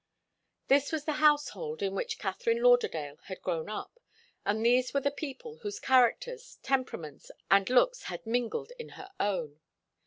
This was the household in which Katharine Lauderdale had grown up, and these were the people whose characters, temperaments, and looks had mingled in her own.